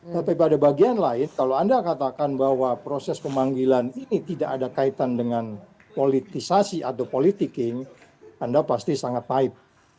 tapi pada bagian lain kalau anda katakan bahwa proses pemanggilan ini tidak ada kaitan dengan politisasi atau politiking anda pasti sangat pahit